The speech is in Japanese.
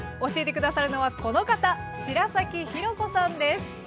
教えて下さるのはこの方白崎裕子さんです。